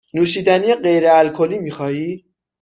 نوشیدنی غیر الکلی می خواهی؟